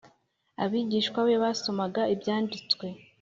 abigishwa be basomaga Ibyanditswe